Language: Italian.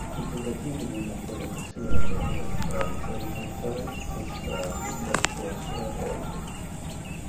I tentativi di una collocazione lavorativa in Francia risultano frustrati dal suo essere apolide.